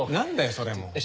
それもう。